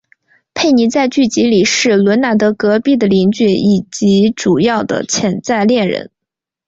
佩妮在剧集里是伦纳德隔壁的邻居以及主要的潜在恋人。